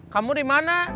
kamu di mana